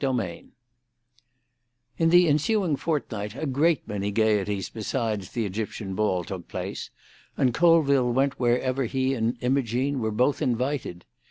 XVII In the ensuing fortnight a great many gaieties besides the Egyptian ball took place, and Colville went wherever he and Imogene were both invited.